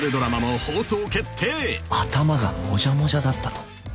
「頭がもじゃもじゃだったと」